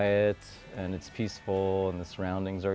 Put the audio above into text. ini tenang dan tenang dan kawasan kawasan ini baik